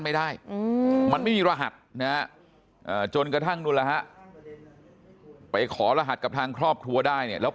ไม่ได้มันมีรหัสจนกระทั่งนู่นไปขอรหัสกับทางครอบครัวได้แล้ว